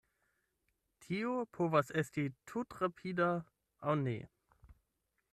Tio povas esti tutrapida, aŭ ne.